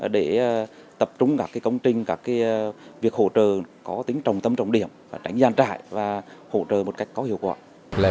để tập trung các công trình các việc hỗ trợ có tính trồng tâm trọng điểm tránh gian trại và hỗ trợ một cách có hiệu quả